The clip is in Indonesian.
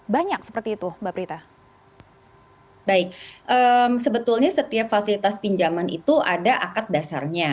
banyak seperti itu mbak prita baik sebetulnya setiap fasilitas pinjaman itu ada akat dasarnya